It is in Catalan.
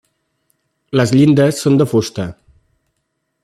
Les llindes són de fusta.